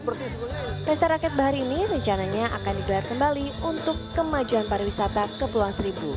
resta rakyat bahar ini rencananya akan digelar kembali untuk kemajuan pariwisata ke pulau seribu